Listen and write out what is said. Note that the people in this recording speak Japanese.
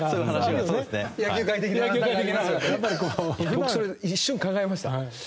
僕それ一瞬考えました。